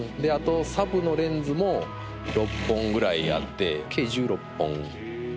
あとサブのレンズも６本ぐらいあって計１６本。